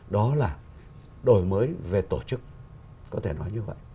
đó là đổi mới về tổ chức có thể nói như vậy